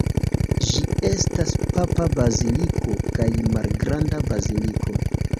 Ĝi estas papa baziliko kaj malgranda baziliko.